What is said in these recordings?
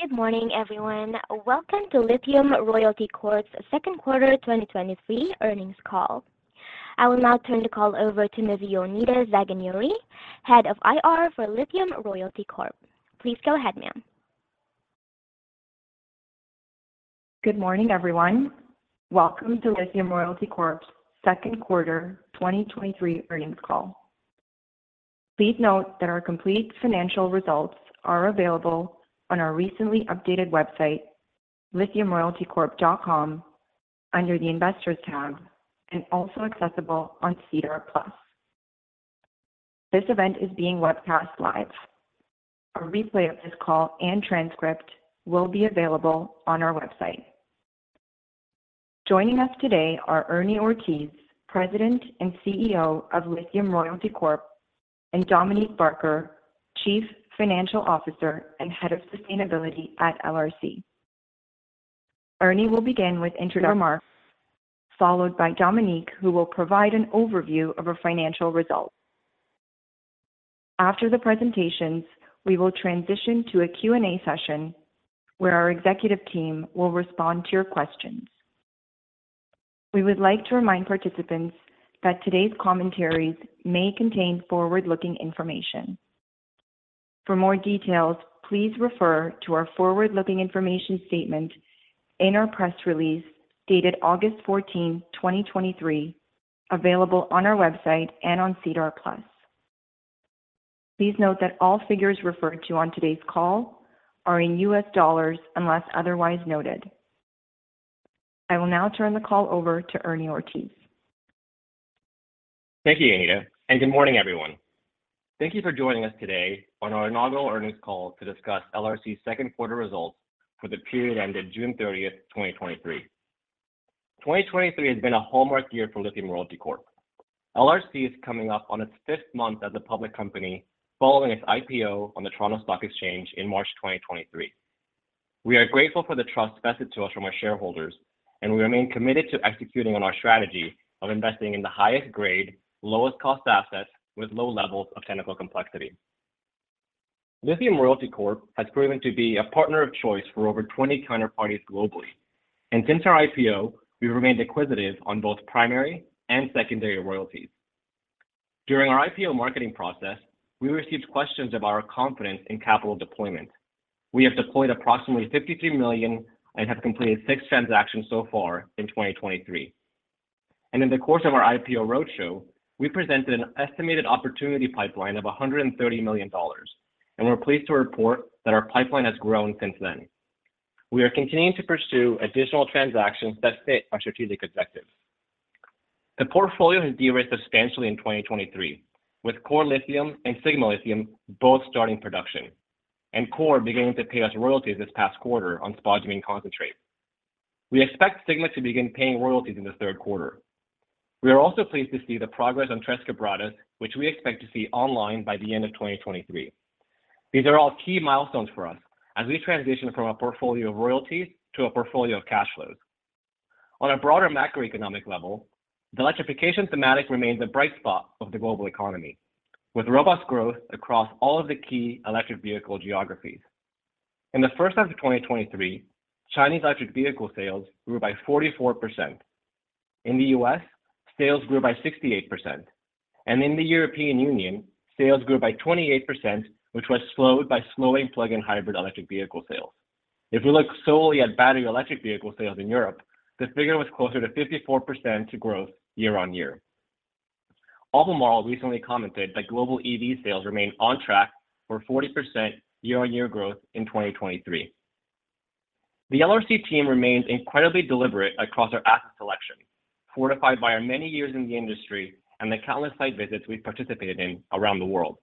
Good morning, everyone. Welcome to Lithium Royalty Corp's Q2 2023 Earnings Call. I will now turn the call over to Ms. Jonida Zaganjori, Head of IR for Lithium Royalty Corp. Please go ahead, ma'am. Good morning, everyone. Welcome to Lithium Royalty Corp's Q2 2023 Earnings Call. Please note that our complete financial results are available on our recently updated website, lithiumroyaltycorp.com, under the Investors tab, and also accessible on SEDAR+. This event is being webcast live. A replay of this call and transcript will be available on our website. Joining us today are Ernie Ortiz, President and CEO of Lithium Royalty Corp, and Dominique Barker, Chief Financial Officer and Head of Sustainability at LRC. Ernie will begin with intro remarks, followed by Dominique, who will provide an overview of our financial results. After the presentations, we will transition to a Q&A session, where our executive team will respond to your questions. We would like to remind participants that today's commentaries may contain forward-looking information. For more details, please refer to our forward-looking information statement in our press release, dated 14 August 2023, available on our website and on SEDAR+. Please note that all figures referred to on today's call are in US dollars, unless otherwise noted. I will now turn the call over to Ernie Ortiz. Thank you, Jonida. Good morning, everyone. Thank you for joining us today on our inaugural earnings call to discuss LRC's Q2 results for the period ended 30 June 2023. 2023 has been a hallmark year for Lithium Royalty Corp. LRC is coming up on its 5th month as a public company, following its IPO on the Toronto Stock Exchange in March 2023. We are grateful for the trust vested to us from our shareholders, and we remain committed to executing on our strategy of investing in the highest grade, lowest cost assets with low levels of technical complexity. Lithium Royalty Corp has proven to be a partner of choice for over 20 counterparties globally, and since our IPO, we've remained acquisitive on both primary and secondary royalties. During our IPO marketing process, we received questions of our confidence in capital deployment. We have deployed approximately $52 million and have completed six transactions so far in 2023. In the course of our IPO roadshow, we presented an estimated opportunity pipeline of $130 million, and we're pleased to report that our pipeline has grown since then. We are continuing to pursue additional transactions that fit our strategic objectives. The portfolio has de-risked substantially in 2023, with Core Lithium and Sigma Lithium both starting production, and Core beginning to pay us royalties this past quarter on spodumene concentrate. We expect Sigma to begin paying royalties in the Q3. We are also pleased to see the progress on Tres Quebradas, which we expect to see online by the end of 2023. These are all key milestones for us as we transition from a portfolio of royalties to a portfolio of cash flows. On a broader macroeconomic level, the electrification thematic remains a bright spot of the global economy, with robust growth across all of the key electric vehicle geographies. In the H1 of 2023, Chinese electric vehicle sales grew by 44%. In the U.S., sales grew by 68%, and in the European Union, sales grew by 28%, which was slowed by slowing plug-in hybrid electric vehicle sales. If we look solely at battery electric vehicle sales in Europe, the figure was closer to 54% growth year-on-year. Albemarle recently commented that global EV sales remain on track for 40% year-on-year growth in 2023. The LRC team remains incredibly deliberate across our asset selection, fortified by our many years in the industry and the countless site visits we've participated in around the world.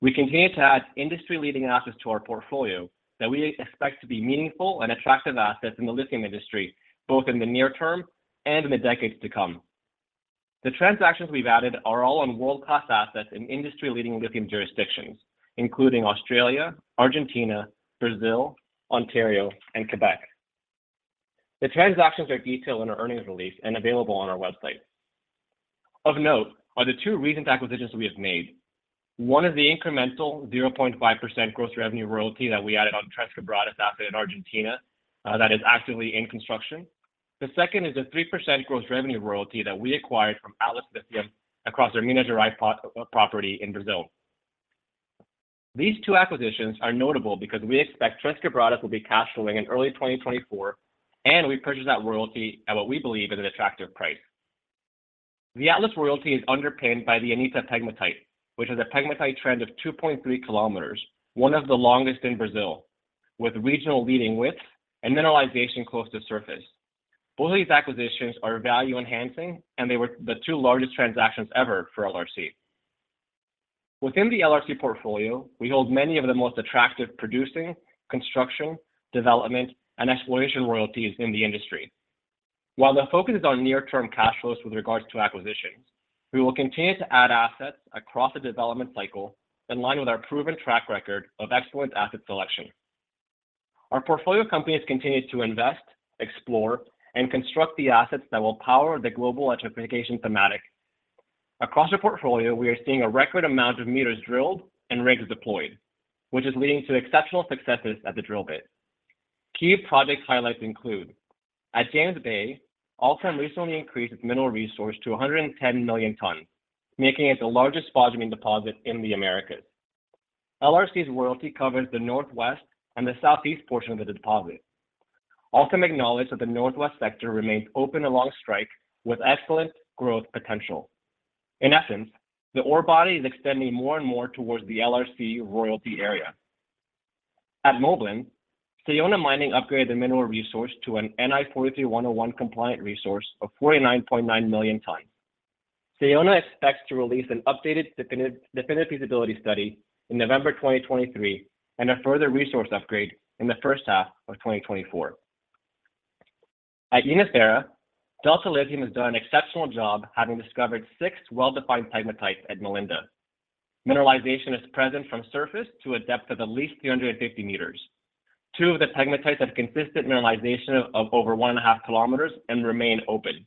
We continue to add industry-leading assets to our portfolio that we expect to be meaningful and attractive assets in the lithium industry, both in the near term and in the decades to come. The transactions we've added are all on world-class assets in industry-leading lithium jurisdictions, including Australia, Argentina, Brazil, Ontario and Quebec. The transactions are detailed in our earnings release and available on our website. Of note are the two recent acquisitions we have made. One is the incremental 0.5% gross revenue royalty that we added on Tres Quebradas asset in Argentina that is actively in construction. The second is a 3% gross revenue royalty that we acquired from Atlas Lithium across their Mina do Rai property in Brazil. These two acquisitions are notable because we expect Tres Quebradas will be cash flowing in early 2024. We purchased that royalty at what we believe is an attractive price. The Atlas royalty is underpinned by the Anitta pegmatite, which is a pegmatite trend of 2.3 kilometers, one of the longest in Brazil, with regional leading width and mineralization close to surface. Both of these acquisitions are value-enhancing. They were the two largest transactions ever for LRC. Within the LRC portfolio, we hold many of the most attractive producing, construction, development, and exploration royalties in the industry. While the focus is on near-term cash flows with regards to acquisitions, we will continue to add assets across the development cycle in line with our proven track record of excellent asset selection. Our portfolio companies continue to invest, explore, and construct the assets that will power the global electrification thematic. Across the portfolio, we are seeing a record amount of meters drilled and rigs deployed, which is leading to exceptional successes at the drill bit. Key project highlights include: at James Bay, Allkem recently increased its mineral resource to 110 million tons, making it the largest spodumene deposit in the Americas. LRC's royalty covers the northwest and the southeast portion of the deposit. Allkem acknowledged that the northwest sector remains open along strike, with excellent growth potential. In essence, the ore body is extending more and more towards the LRC royalty area. At Moblan, Sayona Mining upgraded the mineral resource to an NI 43-101 compliant resource of 49.9 million tons. Sayona expects to release an updated definitive, definitive Feasibility Study in November 2023, and a further resource upgrade in the H2 of 2024. At Yinnetharra, Delta Lithium has done an exceptional job, having discovered six well-defined pegmatites at Malinda. Mineralization is present from surface to a depth of at least 350 meters. Two of the pegmatites have consistent mineralization of, of over 1.5 kilometers and remain open.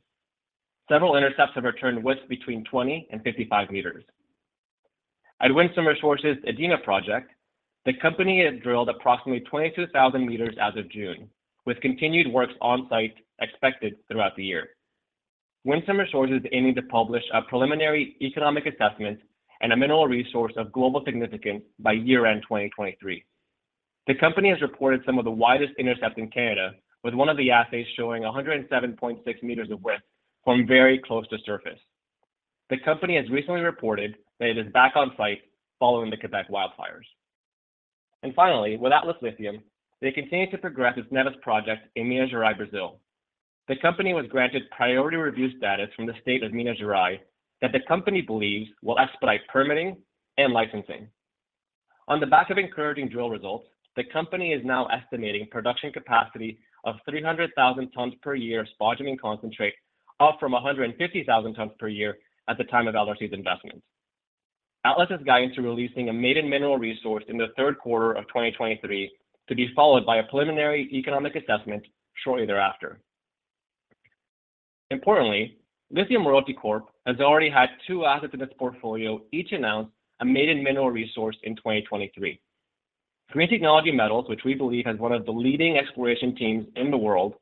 Several intercepts have returned widths between 20 and 55 meters. At Winsome Resources' Adina project, the company had drilled approximately 22,000 meters as of June, with continued works on site expected throughout the year. Winsome Resources is aiming to publish a Preliminary Economic Assessment and a mineral resource of global significance by year-end 2023. The company has reported some of the widest intercepts in Canada, with one of the assays showing 107.6 meters of width from very close to surface. The company has recently reported that it is back on site following the Quebec wildfires. Finally, with Atlas Lithium, they continue to progress its Neves Project in Minas Gerais, Brazil. The company was granted priority review status from the state of Minas Gerais, that the company believes will expedite permitting and licensing. On the back of encouraging drill results, the company is now estimating production capacity of 300,000 tons per year spodumene concentrate, up from 150,000 tons per year at the time of LRC's investment. Atlas is guiding to releasing a maiden mineral resource in the Q3 of 2023, to be followed by a Preliminary Economic Assessment shortly thereafter. Importantly, Lithium Royalty Corp. has already had two assets in its portfolio, each announced a maiden mineral resource in 2023. Green Technology Metals, which we believe has one of the leading exploration teams in the world,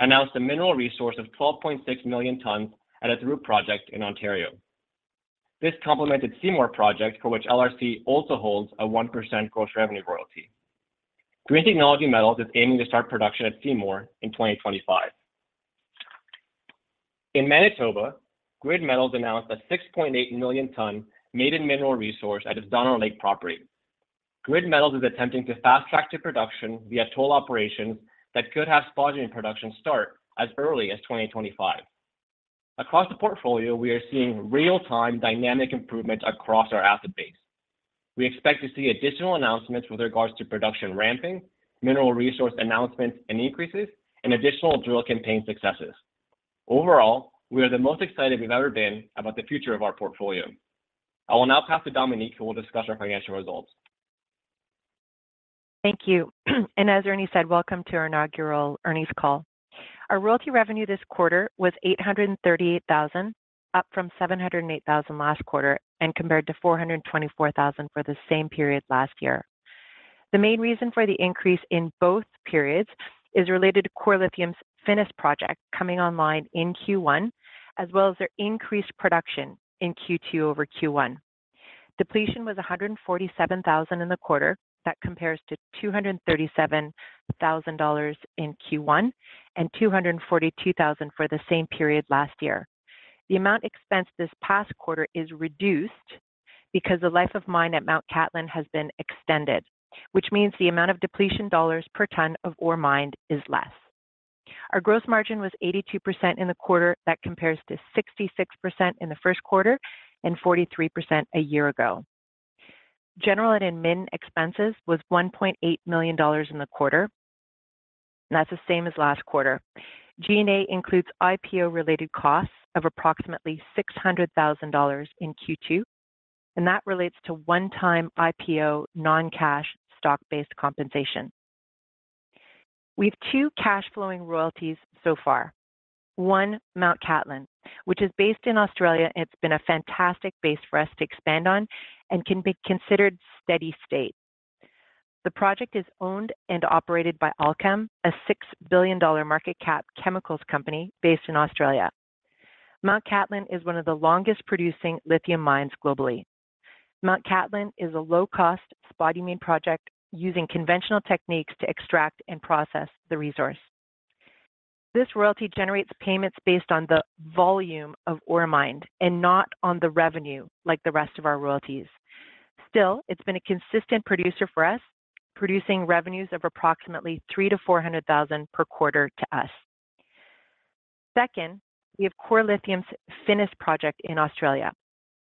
announced a mineral resource of 12.6 million tons at its Root Project in Ontario. This complemented Seymour Project, for which LRC also holds a 1% gross revenue royalty. Green Technology Metals is aiming to start production at Seymour in 2025. In Manitoba, Grid Metals announced a 6.8 million ton maiden mineral resource at its Donner Lake property. Grid Metals is attempting to fast track to production via toll operations that could have spodumene production start as early as 2025. Across the portfolio, we are seeing real-time dynamic improvement across our asset base. We expect to see additional announcements with regards to production ramping, mineral resource announcements and increases, and additional drill campaign successes. Overall, we are the most excited we've ever been about the future of our portfolio. I will now pass to Dominique, who will discuss our financial results. Thank you. As Ernie said, welcome to our inaugural earnings call. Our royalty revenue this quarter was $838,000, up from $708,000 last quarter, and compared to $424,000 for the same period last year. The main reason for the increase in both periods is related to Core Lithium's Finniss Project coming online in Q1, as well as their increased production in Q2 over Q1. Depletion was $147,000 in the quarter. That compares to $237,000 in Q1, and $242,000 for the same period last year. The amount expensed this past quarter is reduced because the life of mine at Mt Cattlin has been extended, which means the amount of depletion dollars per ton of ore mined is less. Our gross margin was 82% in the quarter. That compares to 66% in the Q1 and 43% a year ago. General and admin expenses was $1.8 million in the quarter, and that's the same as last quarter. G&A includes IPO-related costs of approximately $600,000 in Q2, and that relates to one-time IPO non-cash stock-based compensation. We've 2 cash flowing royalties so far. One, Mt Cattlin, which is based in Australia, and it's been a fantastic base for us to expand on and can be considered steady state. The project is owned and operated by Allkem, a $6 billion market cap chemicals company based in Australia. Mt Cattlin is one of the longest-producing lithium mines globally. Mt Cattlin is a low-cost spodumene project using conventional techniques to extract and process the resource. This royalty generates payments based on the volume of ore mined and not on the revenue, like the rest of our royalties. Still, it's been a consistent producer for us, producing revenues of approximately $300,000-$400,000 per quarter to us. Second, we have Core Lithium's Finniss Project in Australia.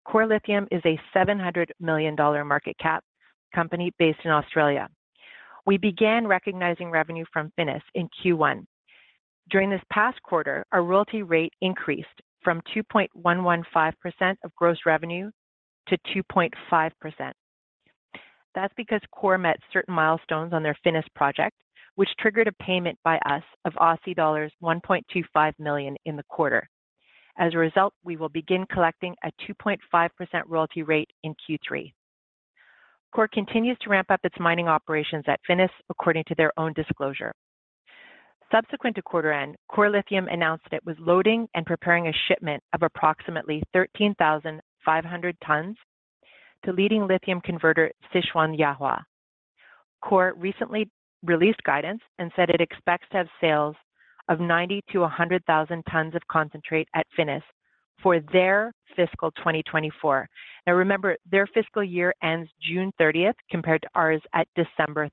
Core Lithium is a $700 million market cap company based in Australia. We began recognizing revenue from Finniss in Q1. During this past quarter, our royalty rate increased from 2.115% of gross revenue to 2.5%. That's because Core met certain milestones on their Finniss Project, which triggered a payment by us of Aussie dollars 1.25 million in the quarter. As a result, we will begin collecting a 2.5% royalty rate in Q3. Core continues to ramp up its mining operations at Finniss, according to their own disclosure. Subsequent to quarter end, Core Lithium announced that it was loading and preparing a shipment of approximately 13,500 tons to leading lithium converter, Sichuan Yahua. Core recently released guidance and said it expects to have sales of 90,000-100,000 tons of concentrate at Finniss for their fiscal 2024. Remember, their fiscal year ends June 30th, compared to ours at December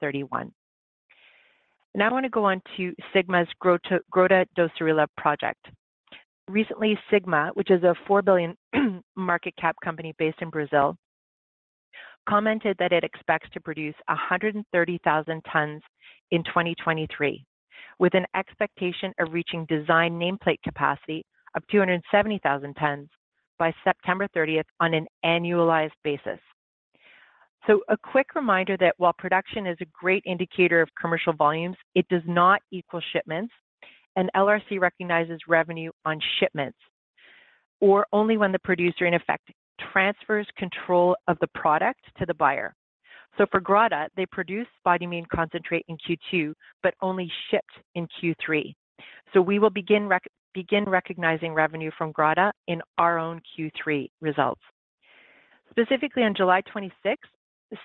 31. I want to go on to Sigma's Grota do Cirilo Project. Recently, Sigma, which is a $4 billion market cap company based in Brazil, commented that it expects to produce 130,000 tons in 2023, with an expectation of reaching design nameplate capacity of 270,000 tons by September 30th on an annualized basis. A quick reminder that while production is a great indicator of commercial volumes, it does not equal shipments, and LRC recognizes revenue on shipments, or only when the producer, in effect, transfers control of the product to the buyer. For Grota do Cirilo, they produced spodumene concentrate in Q2, but only shipped in Q3. We will begin recognizing revenue from Grota do Cirilo in our own Q3 results. Specifically, on July 26th,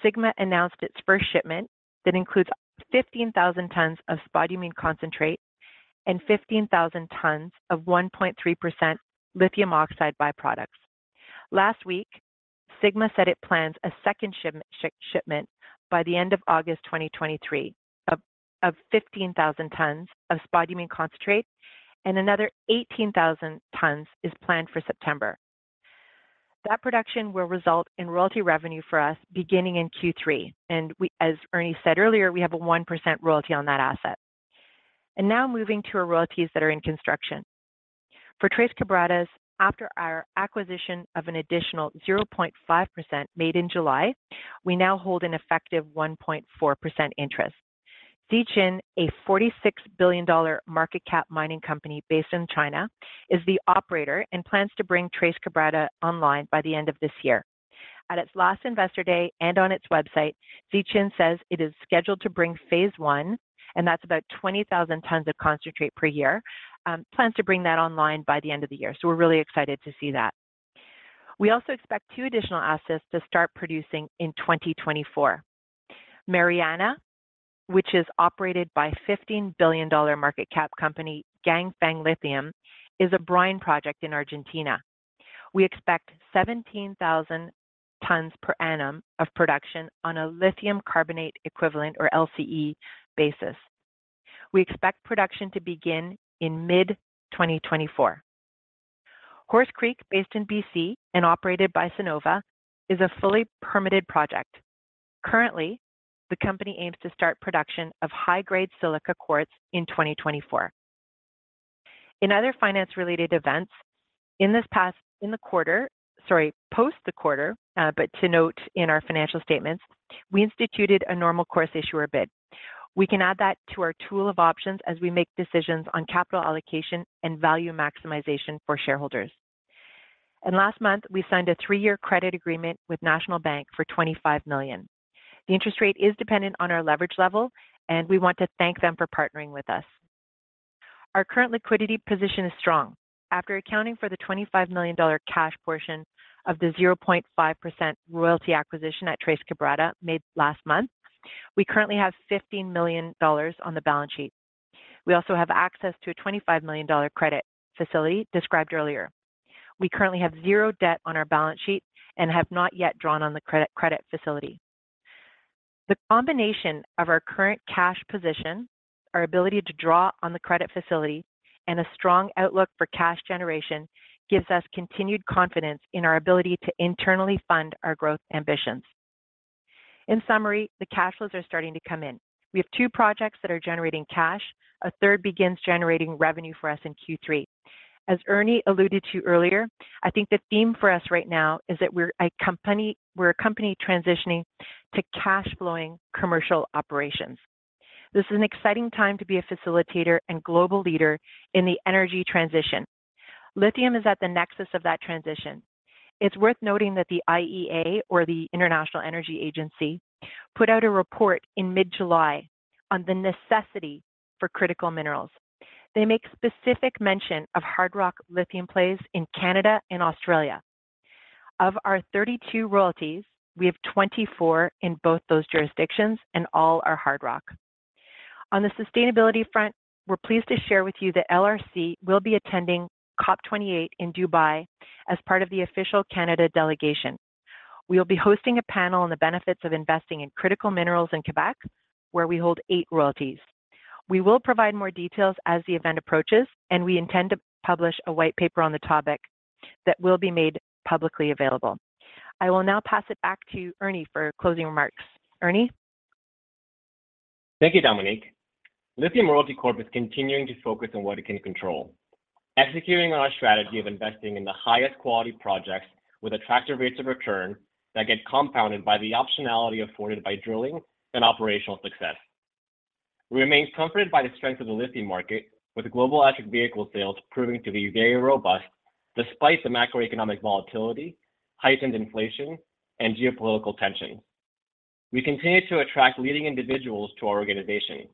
Sigma announced its first shipment that includes 15,000 tons of spodumene concentrate and 15,000 tons of 1.3% lithium oxide byproducts. Last week, Sigma said it plans a second shipment by the end of August 2023, of 15,000 tons of spodumene concentrate, and another 18,000 tons is planned for September. That production will result in royalty revenue for us beginning in Q3, and we, as Ernie said earlier, we have a 1% royalty on that asset. Now moving to our royalties that are in construction. For Tres Quebradas, after our acquisition of an additional 0.5% made in July, we now hold an effective 1.4% interest. Zijin, a $46 billion market cap mining company based in China, is the operator and plans to bring Tres Quebradas online by the end of this year. At its last Investor Day and on its website, Zijin says it is scheduled to bring phase one, and that's about 20,000 tons of concentrate per year, plans to bring that online by the end of the year. We're really excited to see that. We also expect 2 additional assets to start producing in 2024. Mariana, which is operated by $15 billion market cap company, Ganfeng Lithium, is a brine project in Argentina. We expect 17,000 tons per annum of production on a Lithium Carbonate Equivalent, or LCE, basis. We expect production to begin in mid-2024. Horse Creek, based in BC and operated by Sinova, is a fully permitted project. Currently, the company aims to start production of high-grade silica quartz in 2024. In other finance-related events, in this past... in the quarter, sorry, post the quarter, to note in our financial statements, we instituted a Normal Course Issuer Bid. We can add that to our tool of options as we make decisions on capital allocation and value maximization for shareholders. Last month, we signed a three-year credit agreement with National Bank for 25 million. The interest rate is dependent on our leverage level. We want to thank them for partnering with us. Our current liquidity position is strong. After accounting for the $25 million cash portion of the 0.5% royalty acquisition at Tres Quebradas made last month, we currently have $15 million on the balance sheet. We also have access to a $25 million credit facility described earlier. We currently have zero debt on our balance sheet and have not yet drawn on the credit facility. The combination of our current cash position, our ability to draw on the credit facility, and a strong outlook for cash generation, gives us continued confidence in our ability to internally fund our growth ambitions. In summary, the cash flows are starting to come in. We have two projects that are generating cash. A third begins generating revenue for us in Q3. As Ernie alluded to earlier, I think the theme for us right now is that we're a company transitioning to cash-flowing commercial operations. This is an exciting time to be a facilitator and global leader in the energy transition. Lithium is at the nexus of that transition. It's worth noting that the IEA, or the International Energy Agency, put out a report in mid-July on the necessity for critical minerals. They make specific mention of hard rock lithium plays in Canada and Australia. Of our 32 royalties, we have 24 in both those jurisdictions, and all are hard rock. On the sustainability front, we're pleased to share with you that LRC will be attending COP28 in Dubai as part of the official Canada delegation. We will be hosting a panel on the benefits of investing in critical minerals in Quebec, where we hold eight royalties. We will provide more details as the event approaches, and we intend to publish a white paper on the topic that will be made publicly available. I will now pass it back to Ernie for closing remarks. Ernie? Thank you, Dominique. Lithium Royalty Corp is continuing to focus on what it can control, executing on our strategy of investing in the highest quality projects with attractive rates of return that get compounded by the optionality afforded by drilling and operational success. We remain comforted by the strength of the lithium market, with global electric vehicle sales proving to be very robust despite the macroeconomic volatility, heightened inflation, and geopolitical tension. We continue to attract leading individuals to our organization.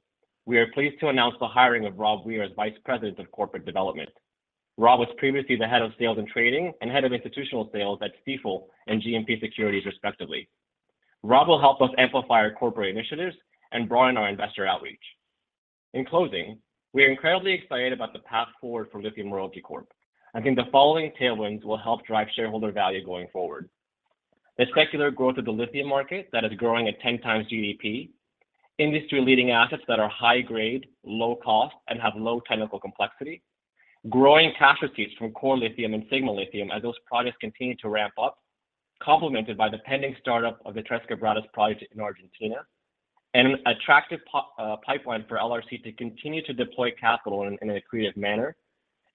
We are pleased to announce the hiring of Rob Weir as Vice President of Corporate Development. Rob was previously the Head of Sales and Trading and Head of Institutional Sales at Stifel and GMP Securities, respectively. Rob will help us amplify our corporate initiatives and broaden our investor outreach. In closing, we are incredibly excited about the path forward for Lithium Royalty Corp. I think the following tailwinds will help drive shareholder value going forward: the secular growth of the lithium market that is growing at 10 times GDP, industry-leading assets that are high grade, low cost, and have low technical complexity, growing cash receipts from Core Lithium and Sigma Lithium as those projects continue to ramp up, complemented by the pending startup of the Tres Quebradas project in Argentina, and an attractive pipeline for LRC to continue to deploy capital in, in a creative manner,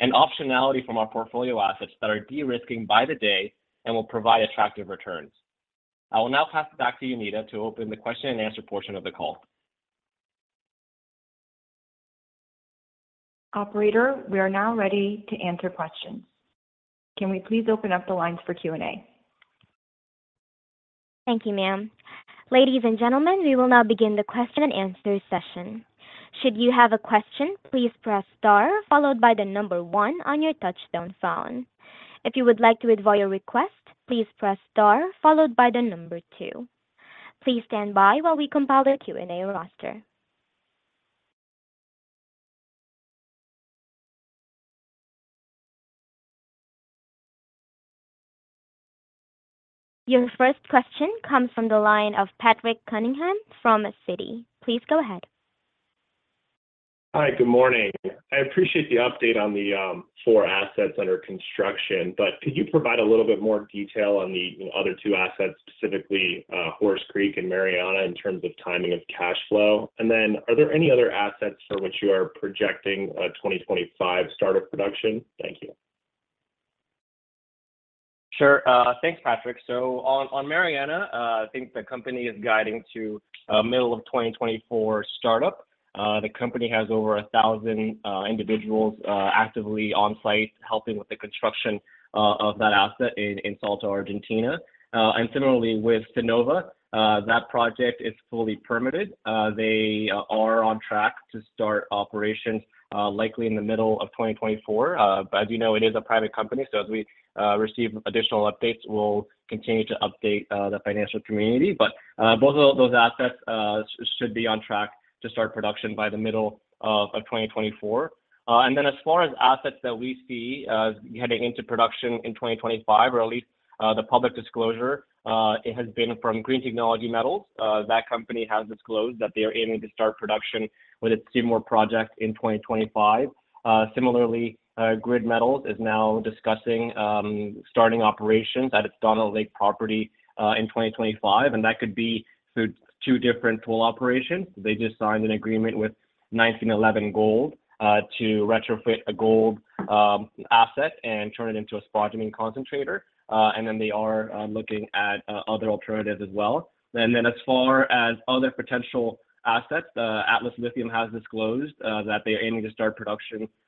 and optionality from our portfolio assets that are de-risking by the day and will provide attractive returns. I will now pass it back to Jonida to open the question and answer portion of the call. Operator, we are now ready to answer questions. Can we please open up the lines for Q&A? Thank you, ma'am. Ladies and gentlemen, we will now begin the question and answer session. Should you have a question, please press star followed by one on your touch-tone phone. If you would like to withdraw your request, please press star followed by two. Please stand by while we compile the Q&A roster. Your first question comes from the line of Patrick Cunningham from Citi. Please go ahead. Hi, good morning. I appreciate the update on the four assets under construction. Could you provide a little bit more detail on the other two assets, specifically, Horse Creek and Mariana, in terms of timing of cash flow? Are there any other assets for which you are projecting a 2025 startup production? Thank you. Sure. Thanks, Patrick. On, on Mariana, I think the company is guiding to middle of 2024 startup. The company has over 1,000 individuals actively on site helping with the construction of that asset in Salta, Argentina. Similarly, with Sinova, that project is fully permitted. They are on track to start operations likely in the middle of 2024. As you know, it is a private company, as we receive additional updates, we'll continue to update the financial community. Both of those assets should be on track to start production by the middle of 2024. Then as far as assets that we see heading into production in 2025, or at least the public disclosure, it has been from Green Technology Metals. That company has disclosed that they are aiming to start production with its Seymour project in 2025. Similarly, Grid Metals is now discussing starting operations at its Donner Lake property in 2025, and that could be through 2 different tool operations. They just signed an agreement with 1911 Gold Corporation to retrofit a gold asset and turn it into a spodumene concentrator. Then they are looking at other alternatives as well. Then as far as other potential assets, Atlas Lithium has disclosed that they are aiming to start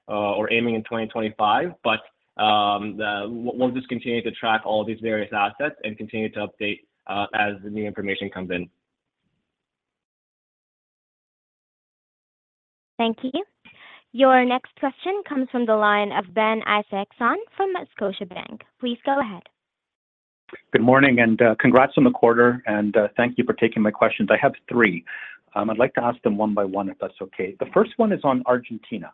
production, or aiming in 2025. We'll just continue to track all these various assets and continue to update as the new information comes in. Thank you. Your next question comes from the line of Ben Isaacson from Scotiabank. Please go ahead. Good morning, congrats on the quarter, thank you for taking my questions. I have three. I'd like to ask them one by one, if that's okay. The first one is on Argentina,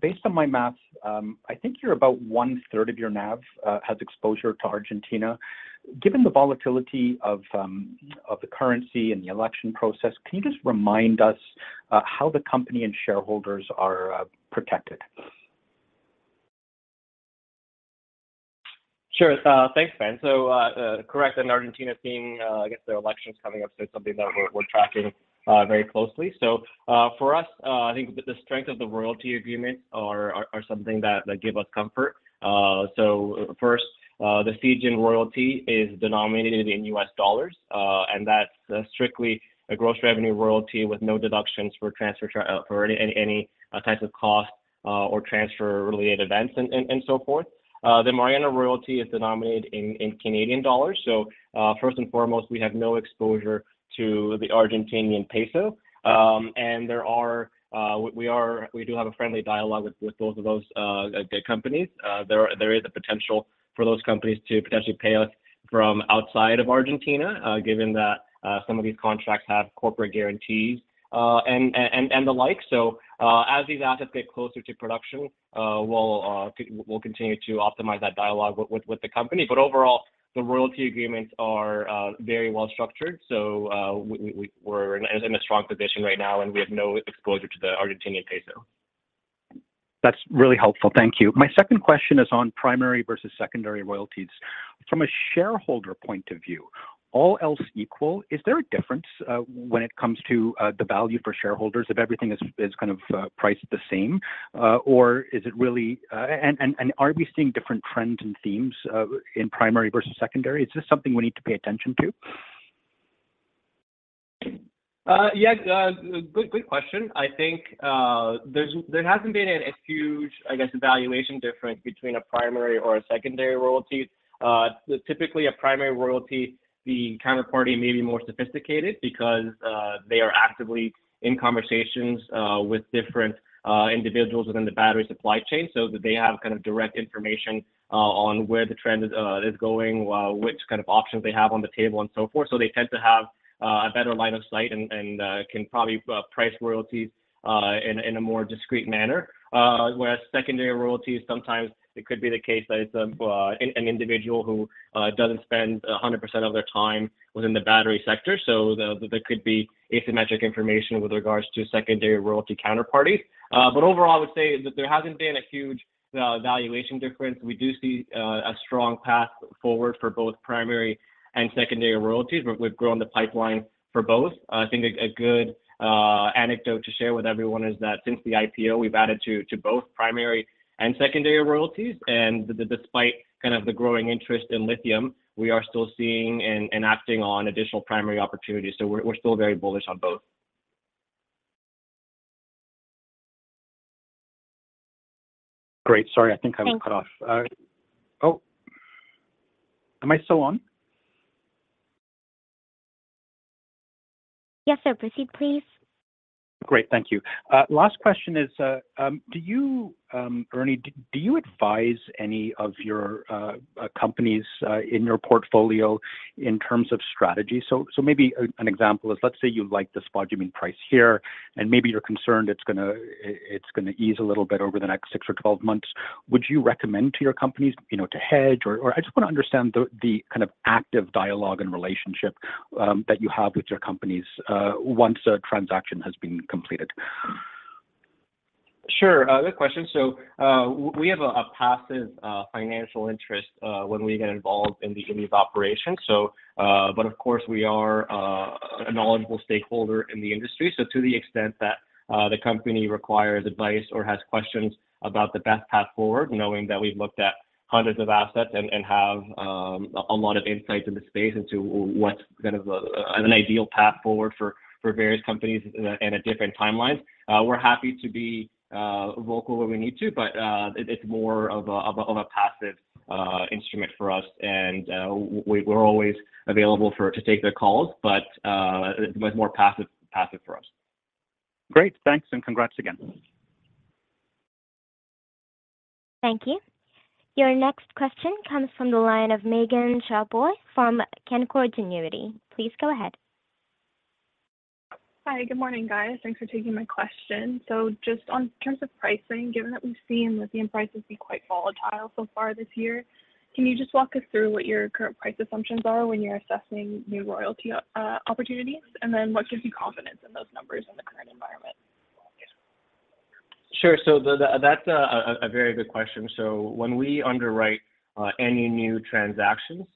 based on my math, I think you're about one-third of your NAV has exposure to Argentina. Given the volatility of the Argentine peso and the election process, can you just remind us how the company and shareholders are protected? Sure. Thanks, Ben. Correct that Argentina is seeing, I guess, their elections coming up, so it's something that we're tracking very closely. For us, I think the strength of the royalty agreement are something that give us comfort. First, the Zijin royalty is denominated in US dollars, and that's strictly a gross revenue royalty with no deductions for transfer for any types of costs or transfer-related events and so forth. The Mariana royalty is denominated in Canadian dollars. First and foremost, we have no exposure to the Argentine peso. There are we do have a friendly dialogue with both of those companies. There, there is a potential for those companies to potentially pay us from outside of Argentina, given that some of these contracts have corporate guarantees, and, and, and the like. As these assets get closer to production, we'll continue to optimize that dialogue with, with, with the company. Overall, the royalty agreements are very well structured, so we, we're in a strong position right now, and we have no exposure to the Argentine peso. That's really helpful. Thank you. My second question is on primary versus secondary royalties. From a shareholder point of view, all else equal, is there a difference, when it comes to, the value for shareholders if everything is, is kind of, priced the same? Or is it really... Are we seeing different trends and themes, in primary versus secondary? Is this something we need to pay attention to? Yeah, good, good question. I think there hasn't been a huge, I guess, evaluation difference between a primary or a secondary royalty. Typically, a primary royalty, the counterparty may be more sophisticated because they are actively in conversations with different individuals within the battery supply chain, so that they have kind of direct information on where the trend is going, which kind of options they have on the table, and so forth. So they tend to have a better line of sight and, and can probably price royalties in a more discreet manner. Whereas secondary royalties, sometimes it could be the case that it's an individual who doesn't spend a 100% of their time within the battery sector. There could be asymmetric information with regards to secondary royalty counterparties. Overall, I would say that there hasn't been a huge valuation difference. We do see a strong path forward for both primary and secondary royalties, we've grown the pipeline for both. I think a good anecdote to share with everyone is that since the IPO, we've added to, to both primary and secondary royalties, and despite kind of the growing interest in lithium, we are still seeing and, and acting on additional primary opportunities. We're, we're still very bullish on both. Great. Sorry, I think I was- Thanks. cut off. Oh, am I still on? Yes, sir. Proceed, please. Great. Thank you. Last question is, do you, Ernie, do you advise any of your companies in your portfolio in terms of strategy? So maybe an example is, let's say you like the spodumene price here, and maybe you're concerned it's gonna, it's gonna ease a little bit over the next six or 12 months. Would you recommend to your companies, you know, to hedge or, or I just want to understand the kind of active dialogue and relationship that you have with your companies once a transaction has been completed? Sure, good question. We have a passive financial interest when we get involved in the any of operations. But of course, we are a knowledgeable stakeholder in the industry. To the extent that the company requires advice or has questions about the best path forward, knowing that we've looked at hundreds of assets and, and have a lot of insights in the space into what's kind of an ideal path forward for, for various companies, and at different timelines, we're happy to be vocal when we need to, but it's more of a passive instrument for us. We're always available to take their calls, but much more passive, passive for us. Great, thanks, and congrats again. Thank you. Your next question comes from the line of Katie Lachapelle from Canaccord Genuity. Please go ahead. Hi, good morning, guys. Thanks for taking my question. Just on terms of pricing, given that we've seen lithium prices be quite volatile so far this year, can you just walk us through what your current price assumptions are when you're assessing new royalty opportunities? What gives you confidence in those numbers in the current environment? Sure. The, that's a very good question. When we underwrite any new transactions,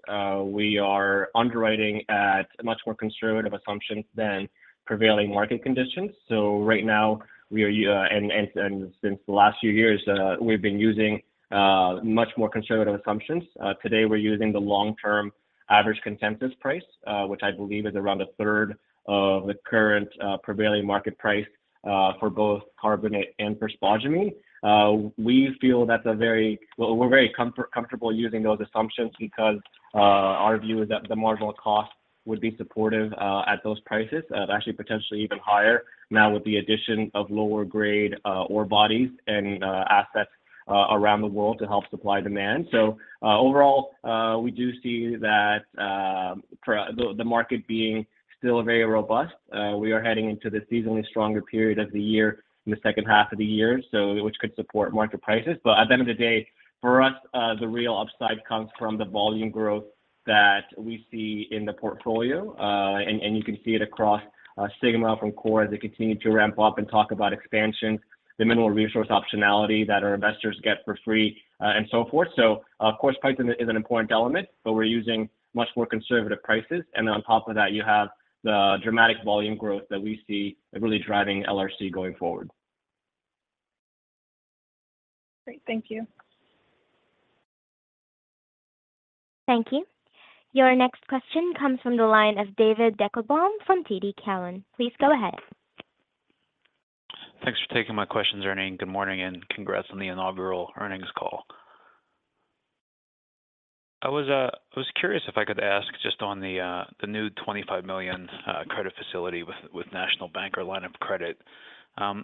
we are underwriting at much more conservative assumptions than prevailing market conditions. Right now, we are using and since the last few years, we've been using much more conservative assumptions. Today, we're using the long-term average consensus price, which I believe is around a third of the current prevailing market price, for both carbonate and for spodumene. We feel that's a very comfortable using those assumptions because our view is that the marginal cost would be supportive at those prices, actually, potentially even higher now with the addition of lower grade ore bodies and assets around the world to help supply demand. Overall, we do see that for the market being still very robust. We are heading into the seasonally stronger period of the year in the H2 of the year, so which could support market prices. At the end of the day, for us, the real upside comes from the volume growth that we see in the portfolio. You can see it across Sigma from Core as they continue to ramp up and talk about expansion, the mineral resource optionality that our investors get for free, and so forth. Of course, price is, is an important element, but we're using much more conservative prices, and then on top of that, you have the dramatic volume growth that we see really driving LRC going forward. Great, thank you. Thank you. Your next question comes from the line of David Deckelbaum from TD Cowen. Please go ahead. Thanks for taking my questions, Ernie. Good morning, and congrats on the inaugural earnings call. I was curious if I could ask just on the new 25 million credit facility with National Bank or line of credit. How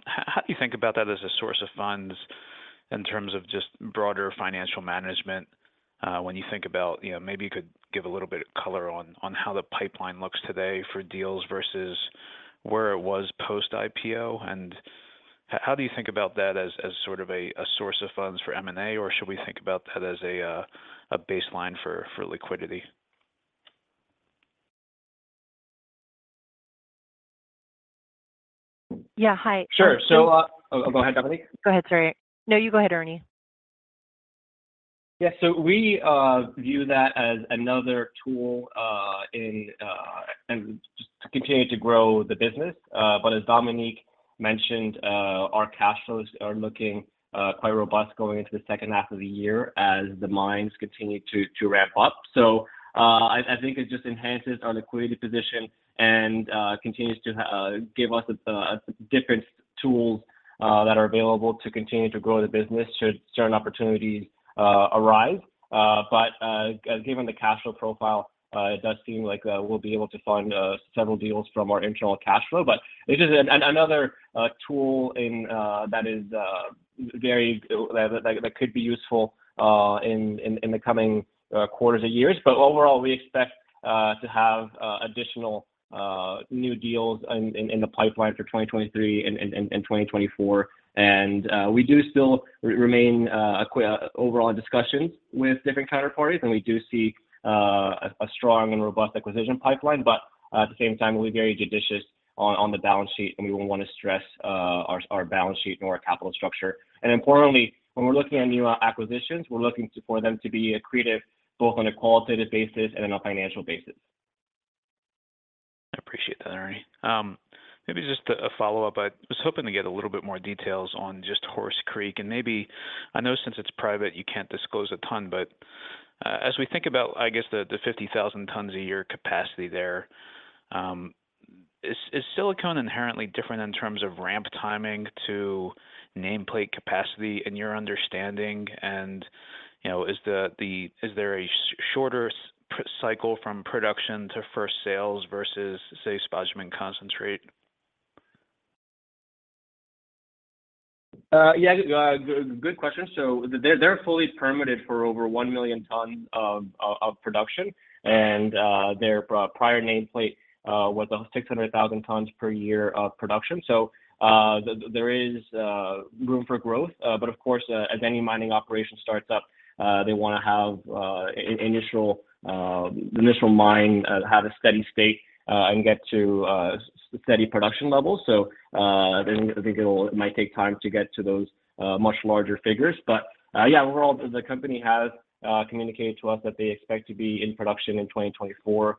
do you think about that as a source of funds in terms of just broader financial management? When you think about, you know, maybe you could give a little bit of color on how the pipeline looks today for deals versus where it was post-IPO, how do you think about that as sort of a source of funds for M&A, or should we think about that as a baseline for liquidity? Yeah, hi. Sure. Oh, go ahead, Dominique. Go ahead, sorry. No, you go ahead, Ernie. Yeah, we view that as another tool in just to continue to grow the business. As Dominique mentioned, our cash flows are looking quite robust going into the H2 of the year as the mines continue to ramp up. I think it just enhances our liquidity position and continues to give us different tools that are available to continue to grow the business should certain opportunities arise. Given the cash flow profile, it does seem like we'll be able to fund several deals from our internal cash flow. It is another tool in that is very that could be useful in the coming quarters or years. Overall, we expect to have additional new deals in the pipeline for 2023 and 2024. We do still remain overall in discussions with different counterparties, and we do see a strong and robust acquisition pipeline. At the same time, we're very judicious on the balance sheet, and we wouldn't want to stress our balance sheet nor our capital structure. Importantly, when we're looking at new acquisitions, we're looking for them to be accretive, both on a qualitative basis and on a financial basis. I appreciate that, Ernie. Maybe just a follow-up. I was hoping to get a little bit more details on just Horse Creek. Maybe, I know since it's private, you can't disclose a ton, but, as we think about, I guess, the 50,000 tons a year capacity there, is silicone inherently different in terms of ramp timing to nameplate capacity in your understanding? You know, is there a shorter cycle from production to first sales versus, say, spodumene concentrate? Yeah, good question. They're, they're fully permitted for over 1 million tons of production, and their prior nameplate was 600,000 tons per year of production. There is room for growth. Of course, as any mining operation starts up, they want to have an initial, the initial mine, have a steady state, and get to steady production levels. Then I think it will, it might take time to get to those much larger figures. Yeah, overall, the company has communicated to us that they expect to be in production in 2024.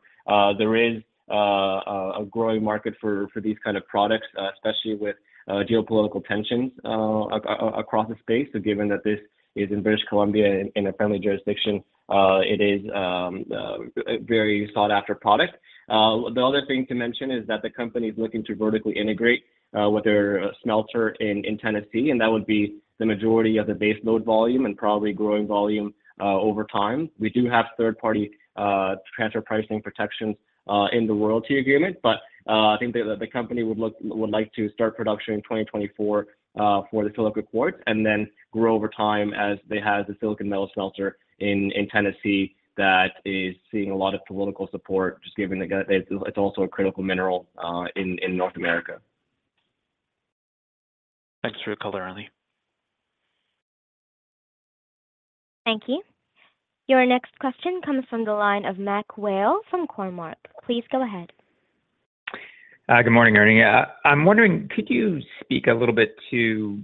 There is a growing market for these kind of products, especially with geopolitical tensions across the space. Given that this is in British Columbia, in a friendly jurisdiction, it is a very sought-after product. The other thing to mention is that the company is looking to vertically integrate with their smelter in Tennessee, and that would be the majority of the base load volume and probably growing volume over time. We do have third-party transfer pricing protections in the royalty agreement, but I think the company would like to start production in 2024 for the silica quartz, and then grow over time as they have the silicon metal smelter in Tennessee that is seeing a lot of political support, just given that it's also a critical mineral in North America. Thanks for your color, Ernie. Thank you. Your next question comes from the line of MacMurray Whale from Cormark. Please go ahead. Good morning, Ernie. I'm wondering, could you speak a little bit to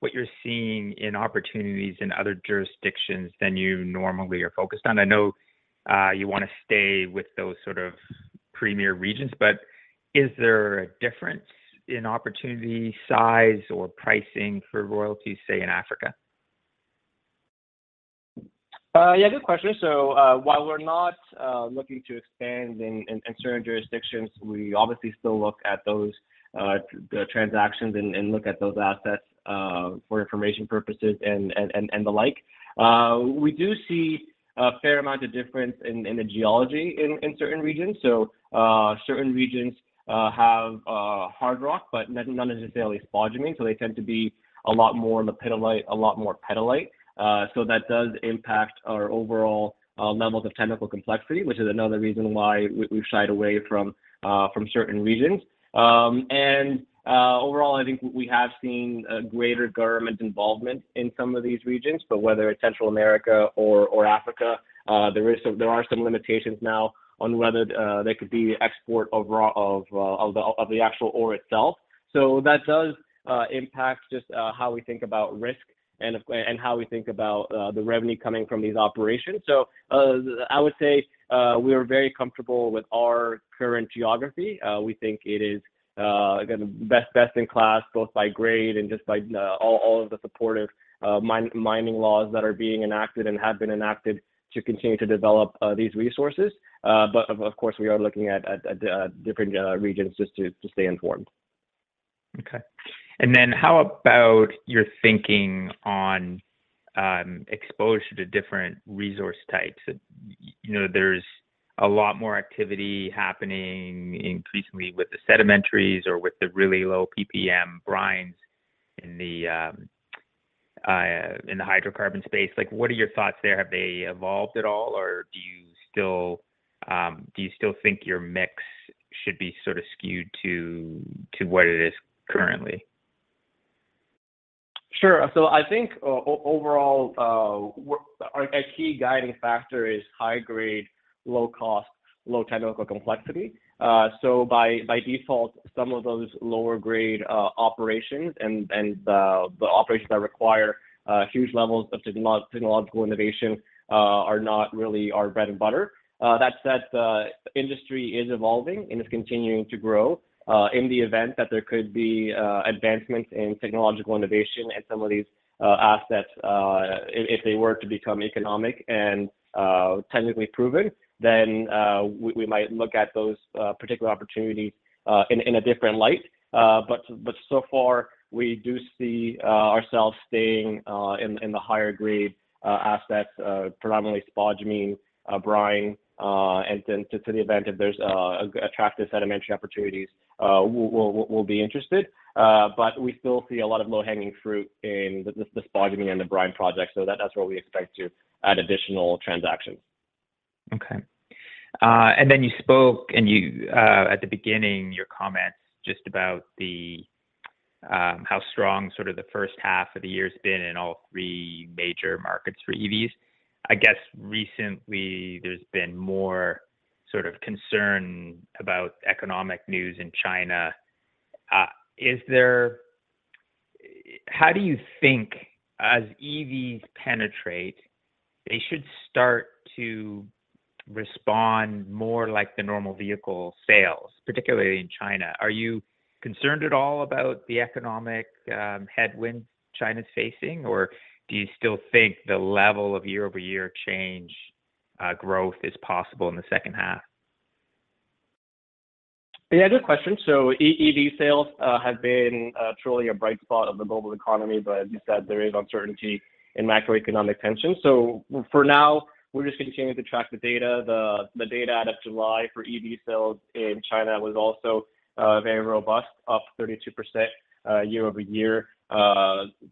what you're seeing in opportunities in other jurisdictions than you normally are focused on? I know, you want to stay with those sort of premier regions, but is there a difference in opportunity, size, or pricing for royalties, say, in Africa? Good question. While we're not looking to expand in certain jurisdictions, we obviously still look at those transactions and look at those assets for information purposes and the like. We do see a fair amount of difference in the geology in certain regions. Certain regions have hard rock, but none is necessarily spodumene, so they tend to be a lot more lepidolite, a lot more petalite. So that does impact our overall levels of technical complexity, which is another reason why we've shied away from certain regions. Overall, I think we have seen a greater government involvement in some of these regions. Whether it's Central America or Africa, there are some limitations now on whether there could be export of raw, of the actual ore itself. That does impact just how we think about risk and how we think about the revenue coming from these operations. I would say, we are very comfortable with our current geography. We think it is, again, the best, best-in-class, both by grade and just by all of the supportive mining laws that are being enacted and have been enacted to continue to develop these resources. Of course, we are looking at different regions just to stay informed. Okay. How about your thinking on, exposure to different resource types? You know, there's a lot more activity happening increasingly with the sedimentaries or with the really low PPM brines in the, in the hydrocarbon space. Like, what are your thoughts there? Have they evolved at all, or do you still, do you still think your mix should be sort of skewed to, to what it is currently? Sure. I think overall, our key guiding factor is high grade, low cost, low technical complexity. By default, some of those lower grade operations and the operations that require huge levels of technological innovation are not really our bread and butter. That said, the industry is evolving and is continuing to grow, in the event that there could be advancements in technological innovation and some of these assets, if they were to become economic and technically proven, then we might look at those particular opportunities in a different light. So far, we do see ourselves staying in the higher grade assets, predominantly spodumene, brine. Then to, to the event, if there's attractive sedimentary opportunities, we'll, we'll, we'll be interested. We still see a lot of low-hanging fruit in the, the spodumene and the brine projects. That, that's where we expect to add additional transactions. Okay. And then you spoke and you at the beginning, your comments just about the how strong sort of the H1 of the year has been in all three major markets for EVs. I guess recently there's been more sort of concern about economic news in China. How do you think as EVs penetrate, they should start to respond more like the normal vehicle sales, particularly in China? Are you concerned at all about the economic headwind China's facing, or do you still think the level of year-over-year change growth is possible in the H2? Yeah, good question. EV sales have been truly a bright spot of the global economy, but as you said, there is uncertainty in macroeconomic tensions. For now, we're just continuing to track the data. The data out of July for EV sales in China was also very robust, up 32% year-over-year.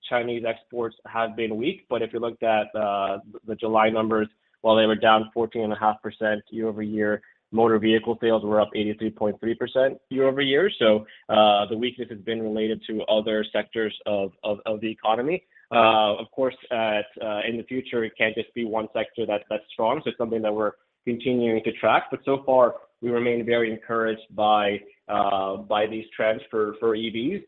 Chinese exports have been weak, but if you looked at the July numbers, while they were down 14.5% year-over-year, motor vehicle sales were up 83.3% year-over-year. The weakness has been related to other sectors of the economy. Of course, in the future, it can't just be one sector that's strong. It's something that we're continuing to track, but so far, we remain very encouraged by these trends for EVs.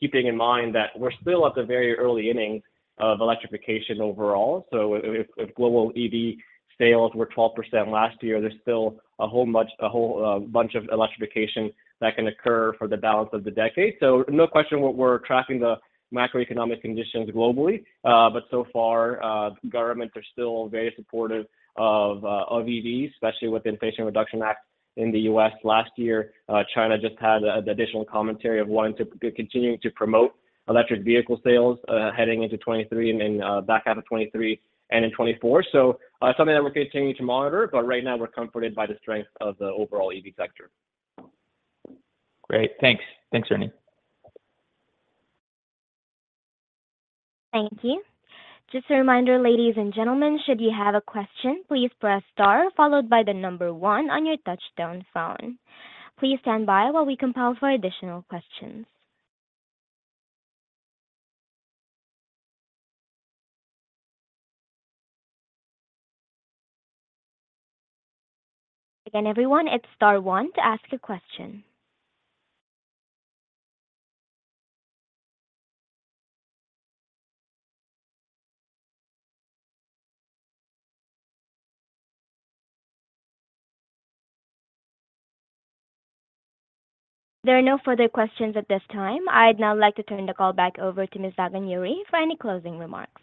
Keeping in mind that we're still at the very early innings of electrification overall. If, if, if global EV sales were 12% last year, there's still a whole bunch of electrification that can occur for the balance of the decade. No question, we're tracking the macroeconomic conditions globally. But so far, governments are still very supportive of EVs, especially with the Inflation Reduction Act in the U.S. last year. China just had an additional commentary of wanting to co-continue to promote electric vehicle sales heading into 2023 and then back half of 2023 and in 2024. Something that we're continuing to monitor, but right now we're comforted by the strength of the overall EV sector. Great. Thanks. Thanks, Ernie. Thank you. Just a reminder, ladies and gentlemen, should you have a question, please press Star followed by the number one on your touchtone phone. Please stand by while we compile for additional questions. Again, everyone, it's Star one to ask a question. There are no further questions at this time. I'd now like to turn the call back over to Ms. Zaganjori for any closing remarks.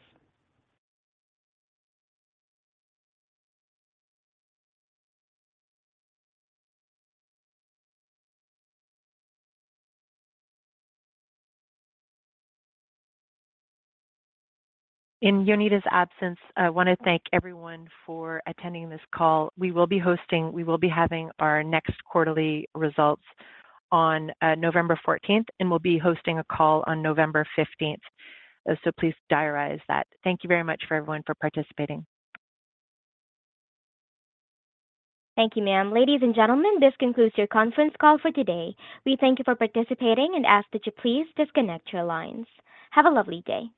In Jonida's absence, I want to thank everyone for attending this call. We will be having our next quarterly results on 14 November, and we'll be hosting a call on 15 November. Please diarize that. Thank you very much for everyone for participating. Thank you, ma'am. Ladies and gentlemen, this concludes your conference call for today. We thank you for participating and ask that you please disconnect your lines. Have a lovely day.